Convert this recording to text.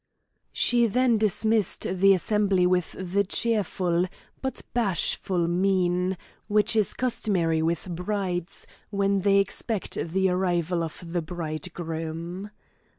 She then dismissed the assembly with the cheerful, but bashful mien, which is customary with brides when they expect the arrival of the bridegroom.